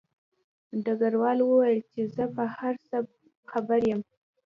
ډګروال وویل چې زه په هر څه خبر یم